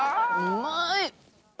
うまい！